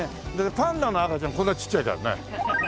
パンダの赤ちゃんこんなちっちゃいからね。